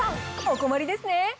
お困りですね？